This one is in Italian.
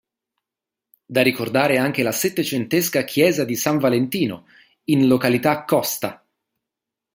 Da ricordare anche la settecentesca chiesa di San Valentino, in località Costa.